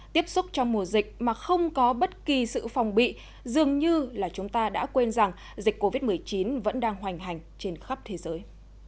tiếp xúc trong mùa dịch mà không có bất kỳ sự phòng bị dường như là chúng ta đã quên rằng dịch covid một mươi chín vẫn đang hoành hành trên khắp thế giới